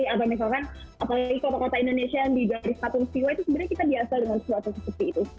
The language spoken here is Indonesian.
atau misalkan apalagi kota kota indonesia yang di garis patung siwa itu sebenarnya kita biasa dengan sesuatu seperti itu